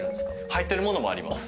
入ってるものもあります。